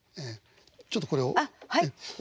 ちょっとこれをね。